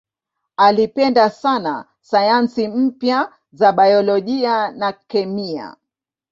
Alipenda sana sayansi mpya za biolojia na kemia.